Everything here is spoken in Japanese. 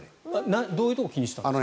どういうところを気にしていたんですか？